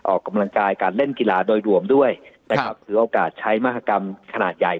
ออกกำลังกายการเล่นกีฬาโดยรวมด้วยนะครับถือโอกาสใช้มหากรรมขนาดใหญ่